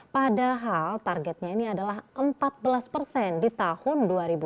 padahal targetnya ini adalah empat belas persen di tahun dua ribu dua puluh